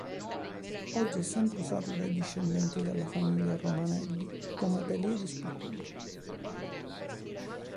Oggi è sempre usato dai discendenti della famiglia Romanelli come atelier di scultura.